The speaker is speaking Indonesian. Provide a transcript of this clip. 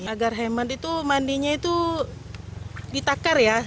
agar hemat itu mandinya itu ditakar ya